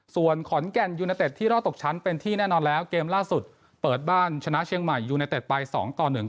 ส่วนขอนแก่นยูเนเต็ดที่รอดตกชั้นเป็นที่แน่นอนแล้วเกมล่าสุดเปิดบ้านชนะเชียงใหม่ยูเนเต็ดไปสองต่อหนึ่ง